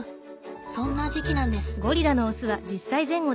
そんな時期なんです。